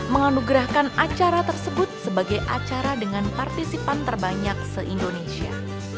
menganugerahkan acara tersebut sebagai acara dengan partisipan terbanyak se indonesia